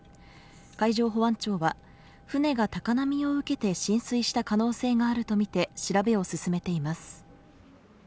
海上保安庁は船が高波を受けて浸水した可能性があるとみて調べを進めています。